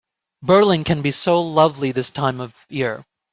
Berlin can be so lovely this time of year.